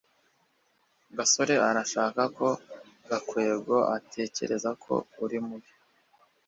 gasore arashaka ko gakwego atekereza ko uri mubi